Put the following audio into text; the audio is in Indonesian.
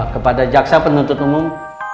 kepada jaksa penuntut umum